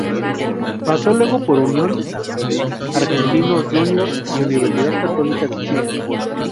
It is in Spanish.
Pasó luego por Unión de Santa Fe, Argentinos Juniors y Universidad Católica de Chile.